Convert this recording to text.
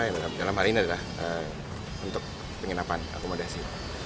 yang dalam hal ini adalah untuk penginapan akomodasi